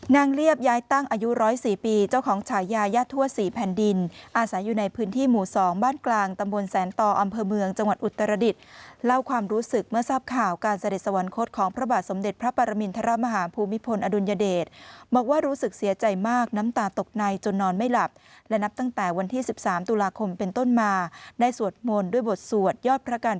นางเรียบย้ายตั้งอายุ๑๐๔ปีเจ้าของฉายายาทั่ว๔แผ่นดินอาศัยอยู่ในพื้นที่หมู่๒บ้านกลางตำบลแสนตออำเภอเมืองจังหวัดอุตรดิษฐ์เล่าความรู้สึกเมื่อทราบข่าวการเสด็จสวรรคตของพระบาทสมเด็จพระปรมินทรมาฮาภูมิพลอดุลยเดชบอกว่ารู้สึกเสียใจมากน้ำตาตกในจนนอนไม่หลับและนับตั้งแต่วัน